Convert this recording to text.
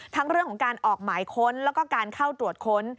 เรื่องของการออกหมายค้นแล้วก็การเข้าตรวจค้น